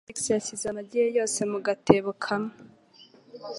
Alex yashyize amagi ye yose mu gatebo kamwe.